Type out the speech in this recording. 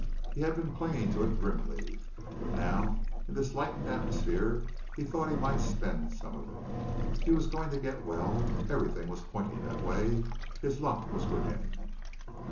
He had been clinging to it grimly, but now in this lightened atmosphere he thought he might spend some of it. He was going to get well. Everything was pointing that way. His luck was with him.